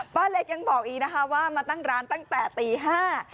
ป้าเล็กยังบอกอีกนะคะว่ามาตั้งร้านตั้งแต่ตีห้า